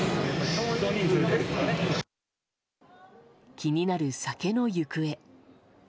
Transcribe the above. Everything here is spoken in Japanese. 気になる酒の行方。